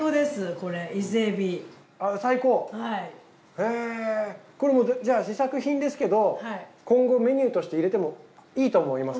へこれ試作品ですけど今後メニューとして入れてもいいと思いますか？